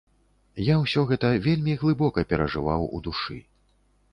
Я ўсё гэта вельмі глыбока перажываў у душы.